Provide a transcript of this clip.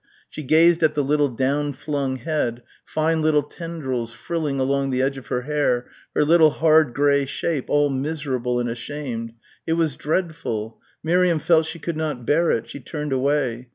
she gazed at the little down flung head, fine little tendrils frilling along the edge of her hair, her little hard grey shape, all miserable and ashamed. It was dreadful. Miriam felt she could not bear it. She turned away.